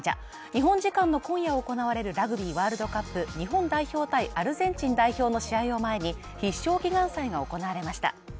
日本時間の今夜行われるラグビーワールドカップ、日本代表×アルゼンチン代表の試合を前に必勝祈願祭が行われました。